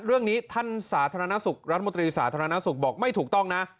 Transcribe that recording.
เรื่องนี้ท่านสาธารณสุขรัฐมนตรีสาธารณสุขบอกไม่ถูกต้องนะ